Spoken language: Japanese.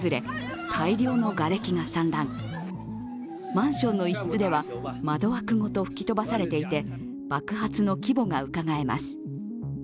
マンションの一室では窓枠ごと吹き飛ばされていて、爆発の規模がうかがえます。